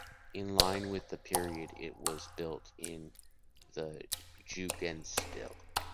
In line with the period it was built in the Jugendstil.